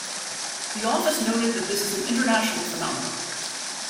The office noted that this is an international phenomenon.